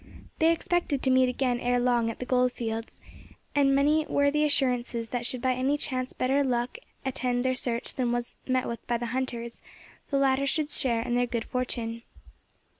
They expected to meet again ere long at the gold fields, and many were the assurances that should by any chance better luck attend their search than was met with by the hunters, the latter should share in their good fortune.